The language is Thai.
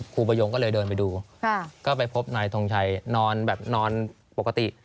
ประโยงก็เลยเดินไปดูก็ไปพบนายทงชัยนอนแบบนอนปกติ